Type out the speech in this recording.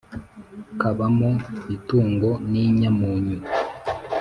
Kabamo itungo n' inyamunyu